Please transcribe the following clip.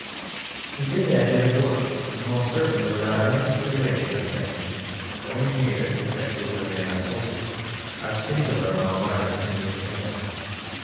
He did that bit of work most certainly without any consideration of fame, for engineers (especially when they are soldiers) are singular among artists in this matter.